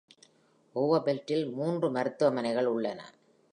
Overpelt இல் மூன்று மருத்துவமனைகள் உள்ளன.